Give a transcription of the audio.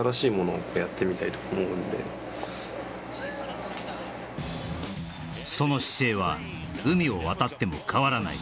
何かその姿勢は海を渡っても変わらない